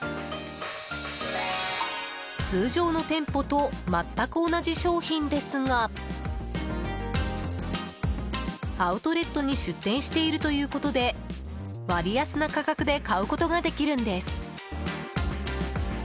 通常の店舗と全く同じ商品ですがアウトレットに出店しているということで割安な価格で買うことができるんです。